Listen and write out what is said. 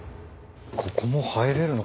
ここも入れるの？